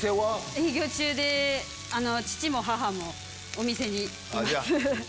営業中で父も母もお店にいます。